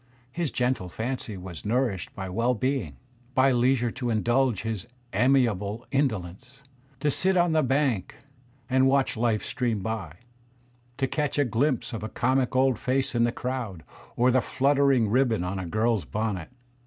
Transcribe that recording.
His gentle fancy was nourished by well being, by leisure to indulge his amiable indolence, to sit on the bank and watch life stream by, to catch a glimpse of a comic old face in the crowd or the fluttering ribbon on a girl's bonnet.